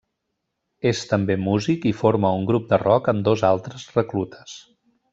És també músic i forma un grup de rock amb dos altres reclutes.